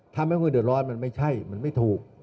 ทำให้คนเดือดร้อนมันไม่ใช่มันไม่ถูก